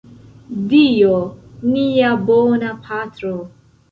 Dio, nia bona Patro.